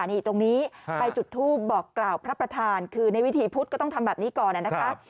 นี่ตรงนี้ไปจุดทูปบอกกล่าวพระประธานคือในวิธีพุทธก็ต้องทำแบบนี้ก่อนนะคะ